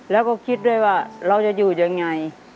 แล้วก็คิดด้วยว่าเราจะอยู่ยังไง